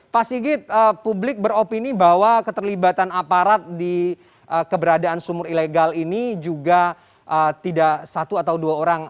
pak sigit publik beropini bahwa keterlibatan aparat di keberadaan sumur ilegal ini juga tidak satu atau dua orang